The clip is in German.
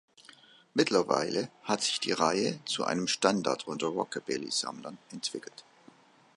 Mittlerweile hat sich die Reihe zu einem Standard unter Rockabilly-Sammlern entwickelt.